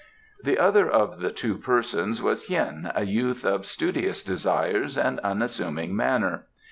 The other of the two persons was Hien, a youth of studious desires and unassuming manner.